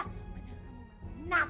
benar kamu apa